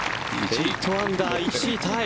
８アンダー１位タイ。